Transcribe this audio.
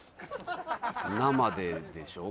生ででしょ？